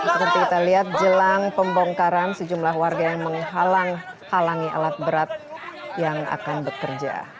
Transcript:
seperti kita lihat jelang pembongkaran sejumlah warga yang menghalang halangi alat berat yang akan bekerja